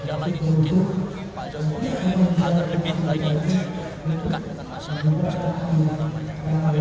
kami menilai pemerintahan jokowi